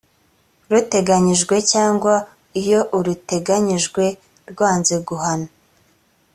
ruteganyijwe cyangwa iyo uruteganyijwe rwanze guhana